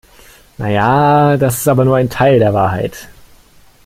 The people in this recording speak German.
Naja, das ist aber nur ein Teil der Wahrheit.